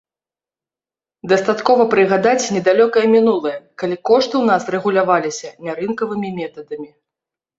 Дастаткова прыгадаць недалёкае мінулае, калі кошты ў нас рэгуляваліся нярынкавымі метадамі.